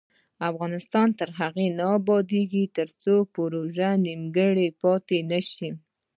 افغانستان تر هغو نه ابادیږي، ترڅو پروژې نیمګړې پاتې نشي.